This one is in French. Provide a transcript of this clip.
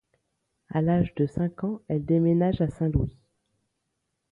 À l'âge de cinq ans, elle déménage à Saint-Louis.